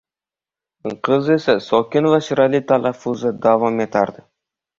Qiz esa sokin va shirali talaffuzda davom etardi